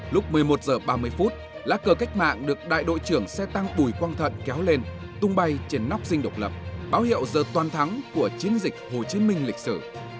lúc một mươi một h ba mươi phút lá cờ cách mạng được đại đội trưởng xe tăng bùi quang thận kéo lên tung bay trên nóc dinh độc lập báo hiệu giờ toàn thắng của chiến dịch hồ chí minh lịch sử